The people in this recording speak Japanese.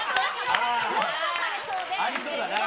ありそうだな。